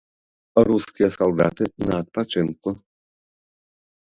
Рускія салдаты на адпачынку.